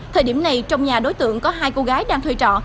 thời điểm này trong nhà đối tượng có hai cô gái đang thuê trọ